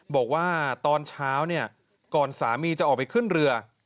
บอกว่าตอนเช้าเนี่ยก่อนสามีจะออกไปขึ้นเรือ